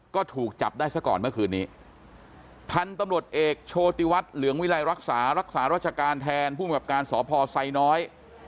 ก็ถูกจับได้สักก่อนเมื่อคืนนี้ท่านตำลดเอกโชติวัตรเหลืองวิลัยรักษารักษารักษารักษาการแทนผู้มีกับการสอบพ่อไซน้อย